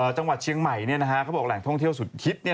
จังหวัดเชียงใหม่เขาบอกแหล่งท่องเที่ยวสุดฮิต